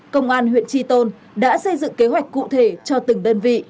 công an huyện tri tôn đã xây dựng kế hoạch cụ thể cho từng đơn vị